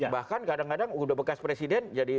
bahkan kadang kadang udah bekas presiden jadi